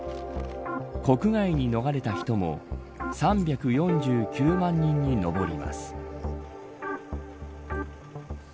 国外に逃れた人も３４９万人に上ります。